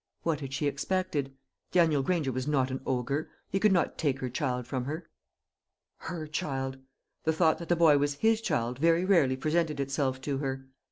What had she expected? Daniel Granger was not an ogre. He could not take her child from her. Her child! The thought that the boy was his child very rarely presented itself to her.